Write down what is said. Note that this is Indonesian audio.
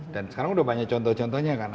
dan sekarang udah banyak contoh contohnya kan